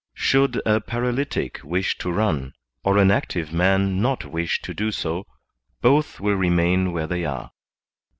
Should a paralytic wish to run, or an active man not wish to do so, both will remain where they are.